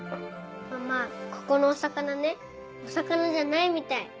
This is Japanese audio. ママここのお魚ねお魚じゃないみたい。